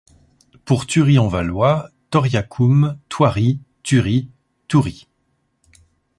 Pour Thury-en-Valois : Thoriacum, Thoiry, Tury, Thuri.